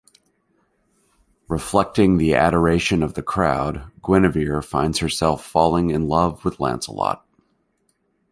Reflecting the adoration of the crowd, Guinevere finds herself falling in love with Lancelot.